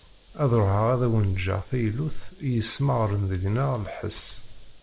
Ad ruḥeγ ad awen-ğğeγ taylut i yesmeγren deg-neγ lḥes.